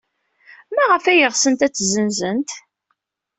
Maɣef ay ɣsent ad t-ssenzent?